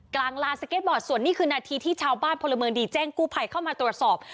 กลางลานสเก็ตบอร์ดส่วนนี้คือนาทีที่ชาวบ้านพลเมืองดีแจ้งกู้ภัยเข้ามาตรวจสอบ